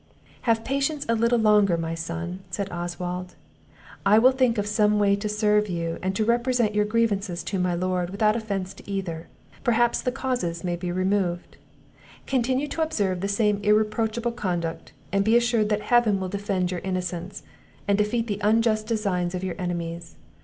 "Have patience a little longer, my son," said Oswald; "I will think of some way to serve you, and to represent your grievances to my lord, without offence to either perhaps the causes may be removed. Continue to observe the same irreproachable conduct; and be assured that Heaven will defend your innocence, and defeat the unjust designs of your enemies.